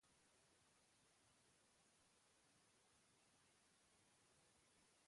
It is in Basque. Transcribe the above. Osasunako hiru bazkide hautaketaren kontra agertu ziren.